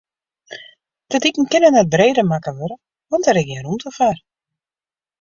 De diken kinne net breder makke wurde, want dêr is gjin rûmte foar.